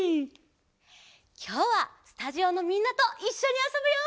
きょうはスタジオのみんなといっしょにあそぶよ！